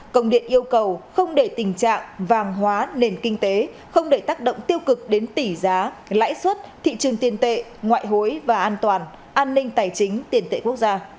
công điện yêu cầu không để tình trạng vàng hóa nền kinh tế không để tác động tiêu cực đến tỷ giá lãi suất thị trường tiền tệ ngoại hối và an toàn an ninh tài chính tiền tệ quốc gia